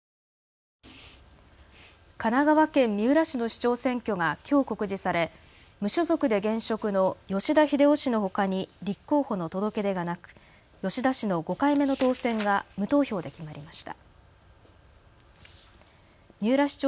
神奈川県三浦市の市長選挙がきょう告示され無所属で現職の吉田英男氏のほかに、立候補の届け出がなく吉田氏の５回目の当選が無投票で決まりました。